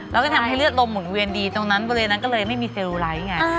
แล้วก็ทำให้เลือดลมหุ่นเวียนดีตรงนั้นบริเวณนั้นก็เลยไม่มีเซลล์ไลท์ไง